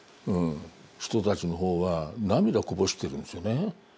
人たちの方は涙こぼしてるんですよね。